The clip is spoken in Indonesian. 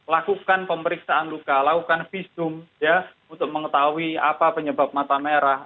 lakukan pemeriksaan luka lakukan visum untuk mengetahui apa penyebab mata merah